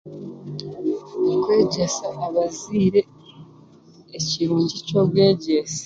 Nikwegyesa abazaire ekirungi ky'obwegyese.